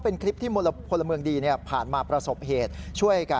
นี่เลยนี่เลย